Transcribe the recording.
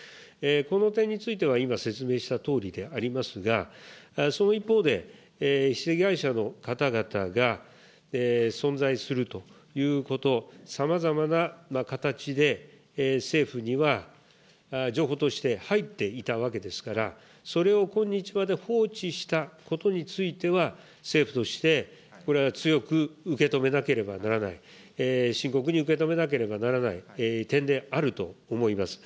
この点については今、説明したとおりでありますが、その一方で、被害者の方々が存在するということ、さまざまな形で、政府には情報として入っていたわけですから、それを今日まで放置したことについては、政府として、これは強く受け止めなければならない、深刻に受け止めなければならない点であると思います。